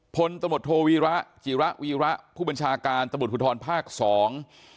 ผลตำบทโทวีระจีระวีระผู้บัญชาการตำบุรุธพุทธรภาคสอง